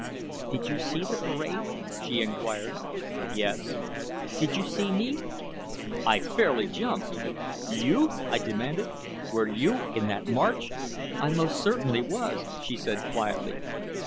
"Did you see the parade?" she inquired. "Yes." "Did you see me?" I fairly jumped! "You?" I demanded. "Were you in that march?" "I most certainly was," she said quietly.